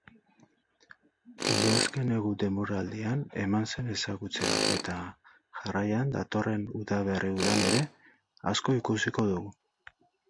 Udazken-negu denboraldian eman zen ezagutzera eta jarraian datorren udaberri-udan ere asko ikusiko dugu.